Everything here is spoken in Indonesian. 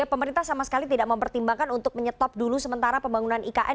pemerintah sama sekali tidak mempertimbangkan untuk menyetop dulu sementara pembangunan ikn